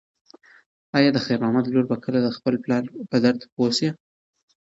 ایا د خیر محمد لور به کله د خپل پلار په درد پوه شي؟